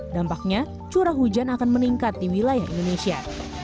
dampaknya curah hujan akan meningkat di wilayah indonesia